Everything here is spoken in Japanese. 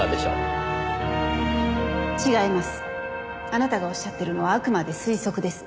あなたがおっしゃってるのはあくまで推測です。